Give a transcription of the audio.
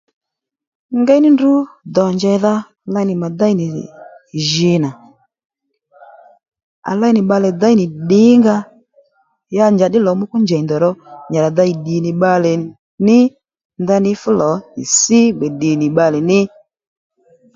Ngéy ní ndrǔ dò njèydha ley nì mà déy nì jǐ nà à léy nì bbalè déy nì ddìnga ó ya njàddí lò mókú njèy ndèy ro nyì rà dey ddì nì bbalè ní ndaní fú lò nyì ssí gbè ddì nì bbalè ní